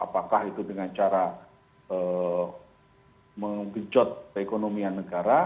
apakah itu dengan cara mengejot ekonomi negara